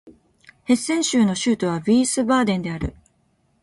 ヘッセン州の州都はヴィースバーデンである